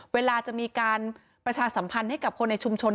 เวลาจะมีการประชาสัมพันธ์ให้กับคนในชุมชน